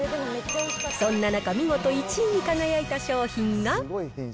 そんな中、見事１位に輝いた商品が。